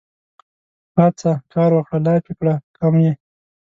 پاڅه کار وکړه لافې کړه کمې